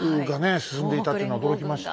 進んでいたというのは驚きました。